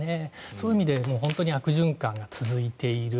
そういう意味で本当に悪循環が続いている。